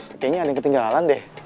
kayaknya ada yang ketinggalan deh